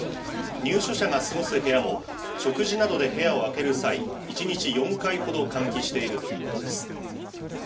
入所者が過ごす部屋も、食事などで部屋を空ける際、１日４回ほど、換気しているということです。